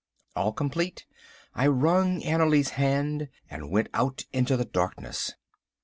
All complete, I wrung Annerly's hand, and went out into the darkness.